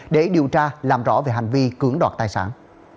để điều tra làm rõ về hành vi cưỡng đoạt tài sản